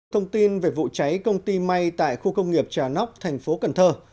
thông tin về vụ cháy công ty may tại khu công nghiệp trà nóc thành phố cần thơ